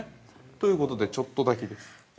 ということで、ちょっと炊きです。